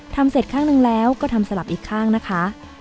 ทำเสร็จข้างหนึ่งแล้วก็ทำสลับอีกข้างนะคะ